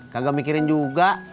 kagak mikirin juga